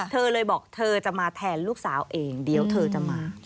เธอเลยบอกเธอจะมาแทนลูกสาวเองเดี๋ยวเธอจะมา